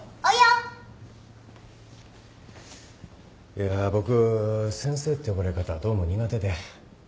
いや僕先生って呼ばれ方どうも苦手で。